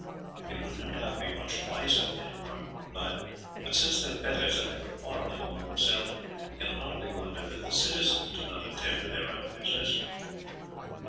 "It would no doubt be much wiser," Dame Margaret replied; "but since their betters are ever quarrelling among themselves, we can hardly wonder that the citizens do not attend to their own business."